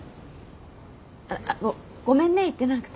あっごっごめんね言ってなくて。